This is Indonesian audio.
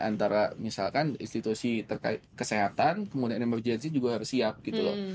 antara misalkan institusi kesehatan kemudian emergensi juga harus siap gitu loh